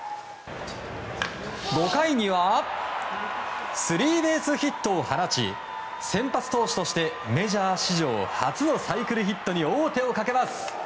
５回にはスリーベースヒットを放ち先発投手としてメジャー史上初のサイクルヒットに王手をかけます。